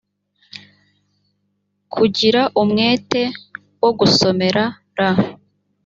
kugira umwete wo gusomera r